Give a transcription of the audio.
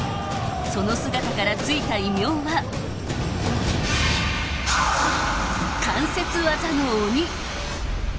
その姿から付いた異名は関節技の鬼。